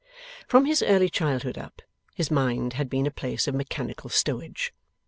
From his early childhood up, his mind had been a place of mechanical stowage.